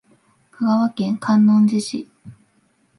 香川県観音寺市